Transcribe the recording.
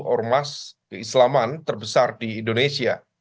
ormas keislaman terbesar di indonesia